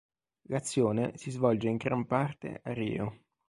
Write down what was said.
L'azione si svolge in gran parte a Rio.